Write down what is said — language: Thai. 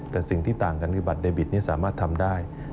แต่สิ่งที่ต่างกันคือบัตรเดบิตนี้สามารถทำได้